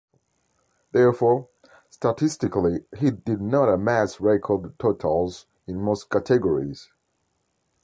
Therefore, statistically he did not amass record totals in most categories.